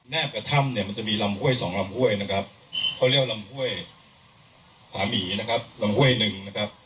กระถ้ำเนี่ยมันจะมีลำห้วยสองลำห้วยนะครับเขาเรียกว่าลำห้วยผาหมีนะครับลำห้วยหนึ่งนะครับ